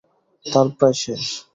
তার প্রায় শেষ।